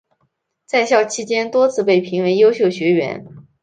在校期间多次被评为优秀学员。